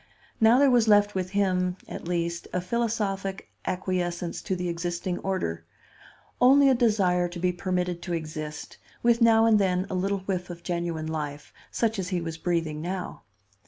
Now there was left with him, at least, a philosophic acquiescence to the existing order—only a desire to be permitted to exist, with now and then a little whiff of genuine life, such as he was breathing now.